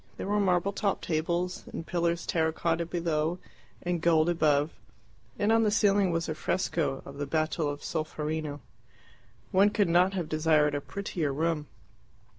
There were marble topped tables, and pillars terra cotta below and gold above, and on the ceiling was a fresco of the battle of Solferino. One could not have desired a prettier room.